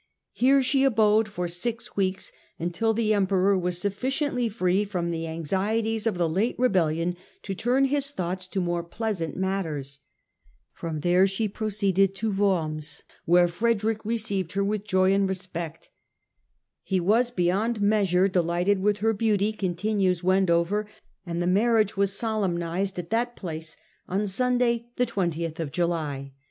Here she abode for six weeks, until the Emperor was sufficiently free from the anxieties of the late rebellion to turn his thoughts to more pleasant matters. From there she proceeded to Worms, where THE REBELLIOUS SON 137 Frederick received her with joy and respect. " He was beyond measure delighted with her beauty," continues Wendover, " and the marriage was solemnised at that place on Sunday, the 20th of July.